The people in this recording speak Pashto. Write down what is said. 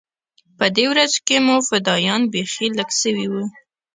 په دې ورځو کښې مو فدايان بيخي لږ سوي وو.